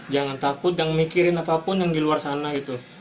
jangan takut jangan mikirin apapun yang di luar sana gitu